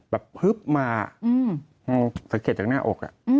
แบบพึบมาสังเกตจากหน้าอก